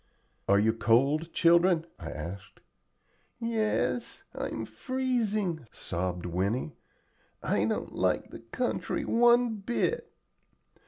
"Are you cold, children?" I asked. "Yes, I'm freezing," sobbed Winnie. "I don't like the country one bit."